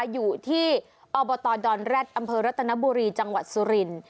อยู่ที่อบตดอนแร็ดอำเภอรัตนบุรีจังหวัดสุรินทร์